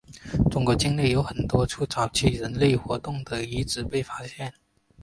中国境内有多处早期人类活动的遗址被发现。